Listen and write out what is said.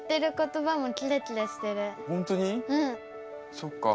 そっか。